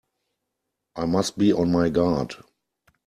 I must be on my guard!